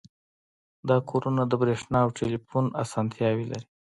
دا کورونه د بریښنا او ټیلیفون اسانتیاوې لري